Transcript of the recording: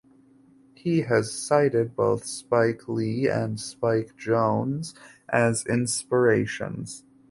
He has cited both Spike Lee and Spike Jonze as inspirations.